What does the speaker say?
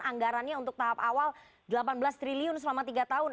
anggarannya untuk tahap awal rp delapan belas triliun selama tiga tahun